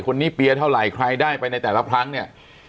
เปียร์เท่าไหร่ใครได้ไปในแต่ละครั้งเนี่ย